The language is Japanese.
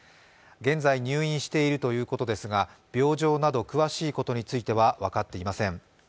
現在入院しているということですが病状など詳しいことについては分かっていません。